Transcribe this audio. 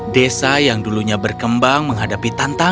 desa yang dulunya berkembang menghadapi terlalu banyak penyakit